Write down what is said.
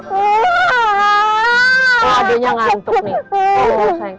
waduh adeknya ngantuk nih